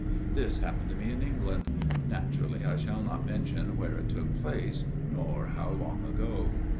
" This happened to me in England. Naturally I shall not mention where it took place, nor how long ago.